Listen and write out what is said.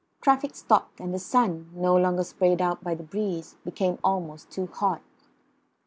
The traffic stopped, and the sun, no longer sprayed out by the breeze, became almost too hot.